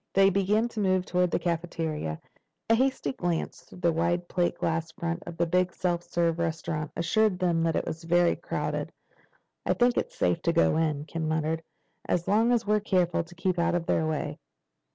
They began to move toward the cafeteria. A hasty glance through the wide plate glass front of the big self service restaurant assured them that it was very crowded. "I think it's safe to go in," Ken muttered, "as long as we're careful to keep out of their way."